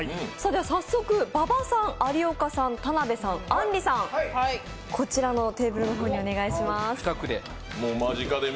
早速、馬場さん、有岡さん、田辺さんあんりさん、こちらのテーブルの方にお願いします。